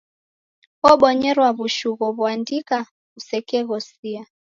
Obonyerwa w'ushu ghow'andikwa usekeghosia.